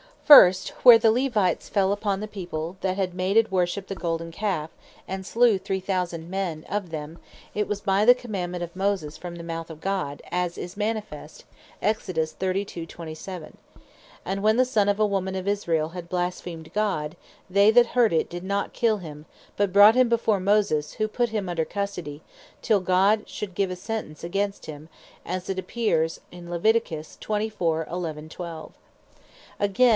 First, where the Levites fell upon the People, that had made and worshipped the Golden Calfe, and slew three thousand of them; it was by the Commandement of Moses, from the mouth of God; as is manifest, Exod. 32.27. And when the Son of a woman of Israel had blasphemed God, they that heard it, did not kill him, but brought him before Moses, who put him under custody, till God should give Sentence against him; as appears, Levit. 25.11, 12. Again, (Numbers 25.6, 7.)